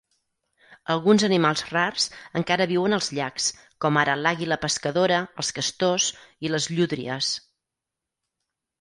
Alguns animals rars encara viuen als llacs, com ara l'àguila pescadora, els castors i les llúdries.